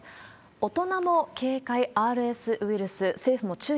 大人も警戒、ＲＳウイルス。